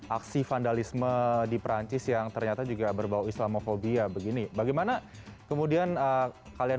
aksi vandalisme di perancis yang ternyata juga berbau islamofobia begini bagaimana kemudian kalian